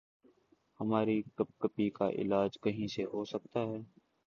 ہماری کپکپی کا علاج کہیں سے ہو سکتا ہے؟